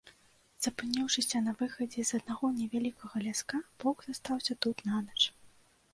Запыніўшыся на выхадзе з аднаго невялікага ляска, полк застаўся тут нанач.